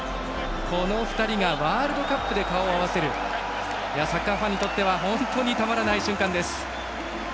この２人がワールドカップで顔を合わせるサッカーファンにとっては本当にたまらない瞬間です。